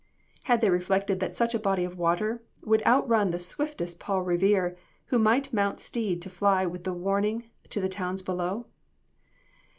Had they reflected that such a body of water would outrun the swiftest Paul Revere who might mount steed to fly with the warning to the towns below?